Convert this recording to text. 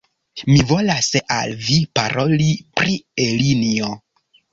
Mi volas al Vi paroli pri Elinjo!